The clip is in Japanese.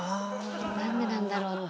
なんでなんだろうって。